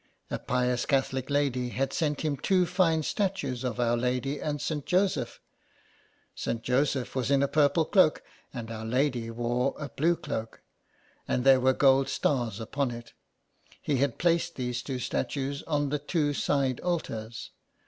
A pious Catholic lady had sent him two fine statues of Our Lady and St. Joseph. St. Joseph was in a purple cloak and Our Lady wore a blue cloak, and there were gold stars upon it. He had placed these two statues on the two side altars.